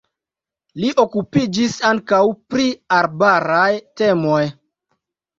Li okupiĝis ankaŭ pri arbaraj temoj.